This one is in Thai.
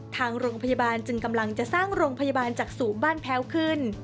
ทางโรงพยาบาลจึงกำลังจะสร้างโรงพยาบาลจากศูนย์บ้านแพ้วขึ้น